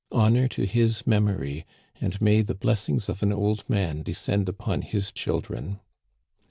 Honor to his memory, and may the blessings of an old man descend upon his chil dren